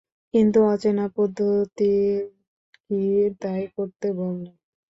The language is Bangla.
কিন্তু আলোচনা-পদ্ধতি কি তাই করতে বলে?